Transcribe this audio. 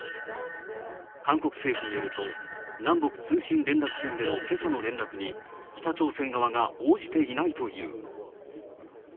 韓国政府によると、南北通信連絡線でのけさの連絡に、北朝鮮側が応じていないという。